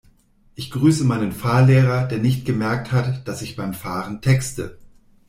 Ich grüße meinen Fahrlehrer, der nicht gemerkt hat, dass ich beim Fahren texte.